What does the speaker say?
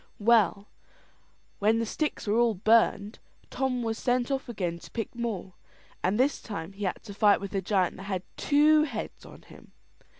Well, when the sticks were all burned, Tom was sent off again to pick more; and this time he had to fight with a giant that had two heads on him.